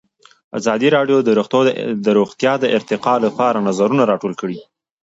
ازادي راډیو د روغتیا د ارتقا لپاره نظرونه راټول کړي.